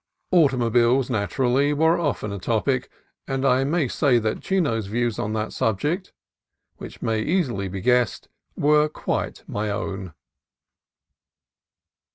Automobiles, naturally, were often a topic, and I may say that Chino's views on that subject, which may easily be guessed, were quite my own.